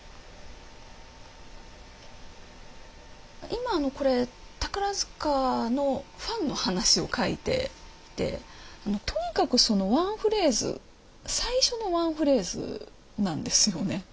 今あのこれ宝塚のファンの話を書いていてとにかくワンフレーズ最初のワンフレーズなんですよね。